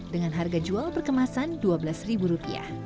dengan harga jual perkemasan dua belas ribu rupiah